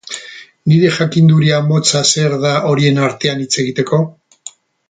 Nire jakinduria motza zer da, horien artean hitz egiteko?